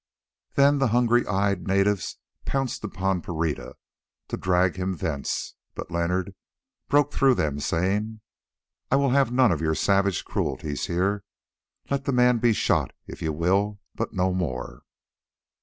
Then the hungry eyed natives pounced upon Pereira to drag him thence, but Leonard broke through them saying: "I will have none of your savage cruelties here. Let the man be shot if you will, but no more."